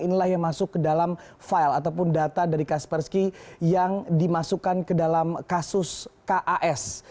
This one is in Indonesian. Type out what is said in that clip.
inilah yang masuk ke dalam file ataupun data dari kaspersky yang dimasukkan ke dalam kasus kas